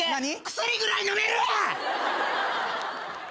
薬ぐらい飲めるわ！